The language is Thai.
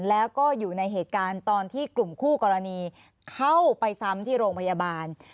แล้วก็อยู่ในเหตุการณ์ตอนที่กลุ่มคู่กรณีเข้าไปซ้ำที่โรงพยาบาล